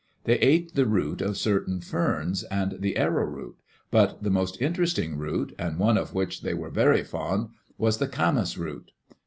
They ate the root of certain ferns, and the arrowroot, but the most Interesting root, and one of which they were very fond, was the camas root.